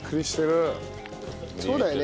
そうだよね。